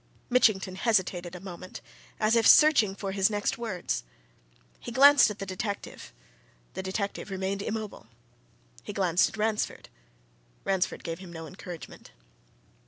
Mitchington hesitated a moment, as if searching for his next words. He glanced at the detective; the detective remained immobile; he glanced at Ransford; Ransford gave him no encouragement.